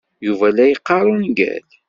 Yuba la yeqqar ungal.